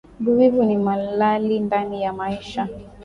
Buvivu ni malali ndani ya maisha